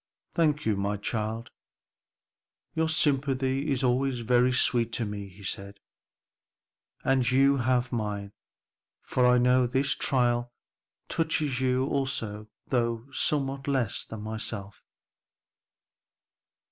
"Thank you, my child; your sympathy is always very sweet to me," he said. "And you have mine; for I know this trial touches you also though somewhat less nearly than myself."